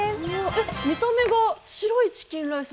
え見た目が白いチキンライス